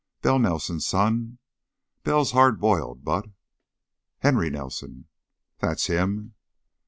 Bell Nelson's son. Bell's hard boiled, but " "Henry Nelson?" "That's him."